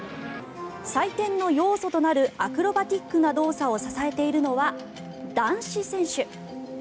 採点の要素となるアクロバティックな動作を支えているのは男子選手。